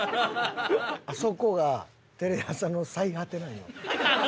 あそこがテレ朝の最果てなんよ。